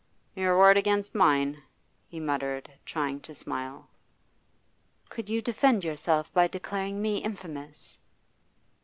'Your word against mine,' he muttered, trying to smile. 'You could defend yourself by declaring me infamous?